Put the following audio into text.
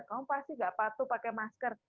kamu pasti gak patuh pakai masker